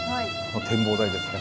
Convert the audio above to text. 展望台ですね。